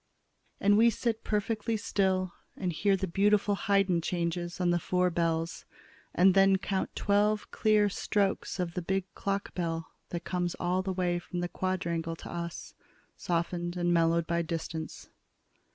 And we sit perfectly still and hear the beautiful Haydn changes on the four bells, and then count twelve clear strokes of the big clock bell that come all the way from the Quadrangle to us, softened and mellowed by the distance.